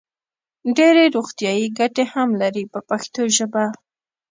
ډېرې روغتیايي ګټې هم لري په پښتو ژبه.